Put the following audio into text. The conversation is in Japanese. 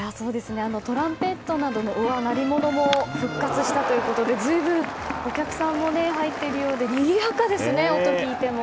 トランペットなどの鳴り物も復活したということで随分お客さんも入っているようでにぎやかですね、音を聞いても。